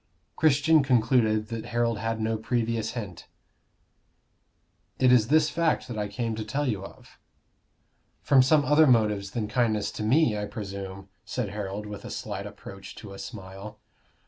Christian concluded that Harold had no previous hint. "It is this fact, that I came to tell you of." "From some other motive than kindness to me, I presume," said Harold, with a slight approach to a smile.